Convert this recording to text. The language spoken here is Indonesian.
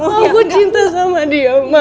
aku cinta sama dia ma